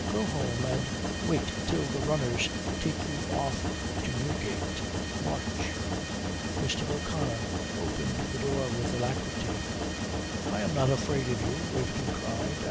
Go home and wait till the runners take you off to Newgate. March!" Mr. O'Connor opened the door with alacrity. "I am not afraid of you," Waverton cried.